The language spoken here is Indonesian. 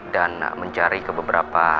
dan mencari ke beberapa